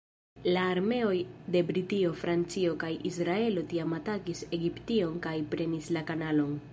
La armeoj de Britio, Francio kaj Israelo tiam atakis Egiption kaj prenis la kanalon.